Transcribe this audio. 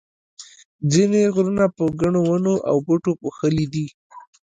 ځینې غرونه په ګڼو ونو او بوټو پوښلي دي.